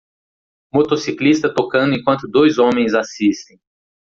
Motociclista tocando enquanto dois homens assistem